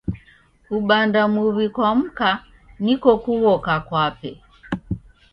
Kubanda muw'i kwa mka niko kughoka kwape.